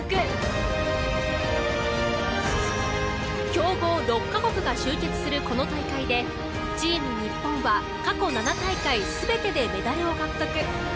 強豪６カ国が集結するこの大会でチーム日本は過去７大会全てでメダルを獲得。